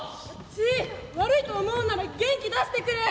チー悪いと思うんなら元気出してくれ。